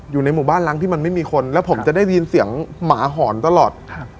อยู่ในหมู่บ้านล้างที่มันไม่มีคนแล้วผมจะได้ยินเสียงหมาหอนตลอด